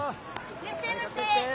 いらっしゃいませ！